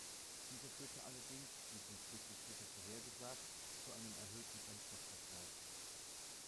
Dieser führte allerdings, wie von Friedrich Witte vorhergesagt, zu einem erhöhten Brennstoffverbrauch.